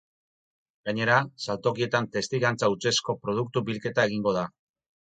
Gainera, saltokietan testigantza hutsezko produktu bilketa egingo da.